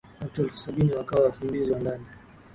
watu elfu sabini wakawa wakimbizi wa ndani